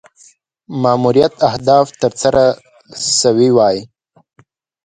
ماموریت اهداف تر سره سوي وای.